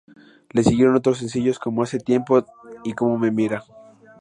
Le siguieron otros sencillos como "Hace tiempo" y "Cómo me mira".